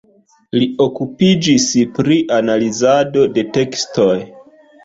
Li okupiĝis pri analizado de tekstoj.